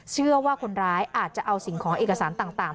เชื่อว่าคนร้ายอาจจะเอาสิ่งของเอกสารต่าง